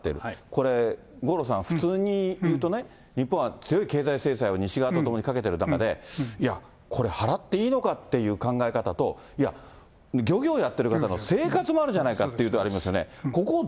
これ五郎さん、普通に言うとね、日本は強い経済制裁を西側と共にかけてる中で、いや、これ払っていいのかっていう考え方と、いや、漁業やってる方の生活もあるじゃないかっていうのがありますよね。